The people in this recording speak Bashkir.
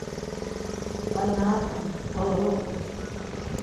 - Ҡайнарһың... һылыуһың...